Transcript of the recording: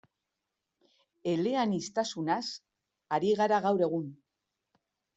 Eleaniztasunaz ari gara gaur egun.